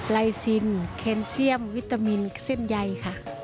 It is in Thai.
ลายซินแคนเซียมวิตามินเส้นใยค่ะ